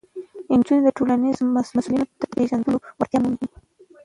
نجونې د ټولنیزو مسؤلیتونو د پېژندلو وړتیا مومي.